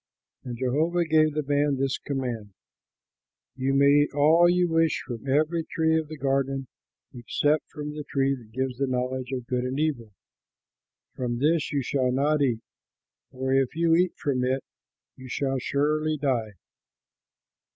And Jehovah gave the man this command: "You may eat all you wish from every tree of the garden, except from the tree that gives the knowledge of good and evil; from this you shall not eat, for if you eat from it you shall surely die."